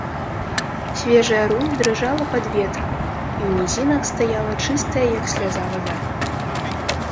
Свежая рунь дрыжала пад ветрам, і ў нізінах стаяла чыстая, як сляза, вада.